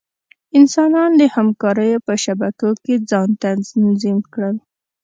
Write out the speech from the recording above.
انسانان د همکاریو په شبکو کې ځان تنظیم کړل.